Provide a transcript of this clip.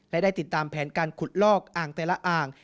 และได้ติดตามแผนการขุดลอกอ่างแต่ละอ่าง